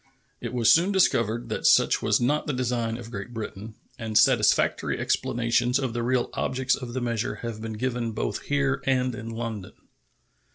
It was soon discovered that such was not the design of Great Britain, and satisfactory explanations of the real objects of the measure have been given both here and in London.